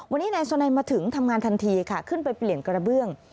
วันนี้นายสุนัยมาถึงทำงานทันทีค่ะขึ้นไปเปลี่ยนกระเบื้อง